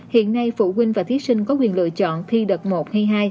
hiện nay phụ huynh và thí sinh có quyền lựa chọn thi đợt một hay hai